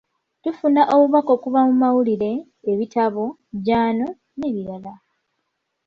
Tufuna obubaka okuva mu mawulire, ebitabo, jjano, n'ebirala.